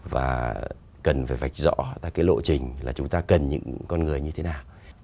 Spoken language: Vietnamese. và cần phải vạch rõ ra cái lộ trình là chúng ta cần những con người như thế nào